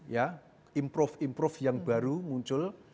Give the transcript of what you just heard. ya improve improve yang baru muncul